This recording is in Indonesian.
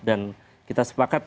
dan kita sepakat